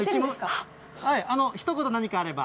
ひと言何かあれば。